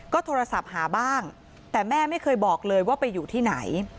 ก็โทรศัพท์หาบ้างแต่แม่ไม่เคยบอกเลยว่าไปอยู่ที่ไหน